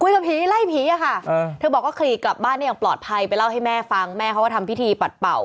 กับผีไล่ผีอะค่ะเธอบอกว่าขี่กลับบ้านได้อย่างปลอดภัยไปเล่าให้แม่ฟังแม่เขาก็ทำพิธีปัดเป่า